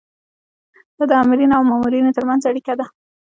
دا د آمرینو او مامورینو ترمنځ اړیکه ده.